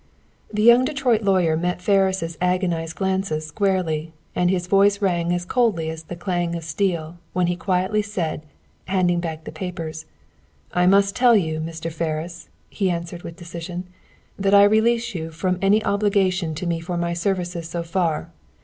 The young Detroit lawyer met Ferris' agonized glances squarely, and his voice rang as coldly as the clang of steel when he quietly said, handing back the papers: "I must tell you, Mr. Ferris," he answered, with decision, "that I release you from any obligation to me for my services so far.